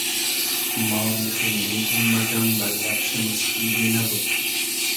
ما میخیندیدوم مئگئم بئل لئب شی موسخیندی نئبود